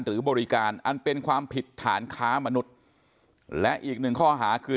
หรือบริการอันเป็นความผิดฐานค้ามนุษย์และอีกหนึ่งข้อหาคือ